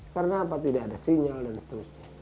karena apa tidak ada sinyal dan seterusnya